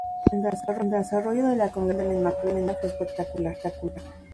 El desarrollo de la Congregación de la Inmaculada fue espectacular.